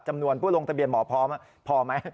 จำนวนผู้ลงทะเบียนหมอพร้อมพอไหม